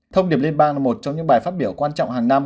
thông điệp liên bang là một trong những bài phát biểu quan trọng hàng năm